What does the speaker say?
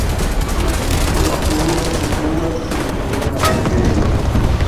La unusola turo situas super la enirejo.